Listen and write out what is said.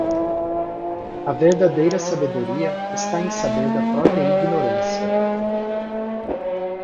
A verdadeira sabedoria está em saber da própria ignorância.